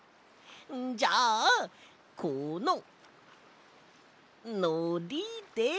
じゃあこののりで。